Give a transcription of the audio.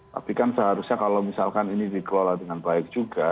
tapi kan seharusnya kalau misalkan ini dikelola dengan baik juga